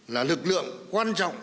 là lực lượng quan trọng